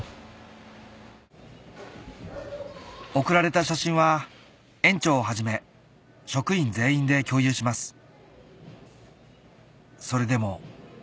送られた写真は園長をはじめ職員全員で共有します